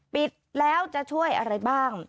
ปิดแล้วจะช่วยอะไรบ้าง